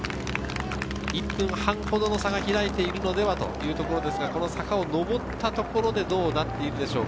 １分半ほどの差が開いているのではというところですが、この坂を上ったところでどうなっているでしょうか。